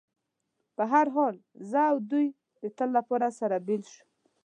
په هر حال، زه او دوی د تل لپاره سره بېل شو.